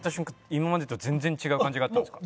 今までと全然違う感じがあったんですか？